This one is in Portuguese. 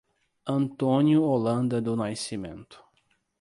Antônio Holanda do Nascimento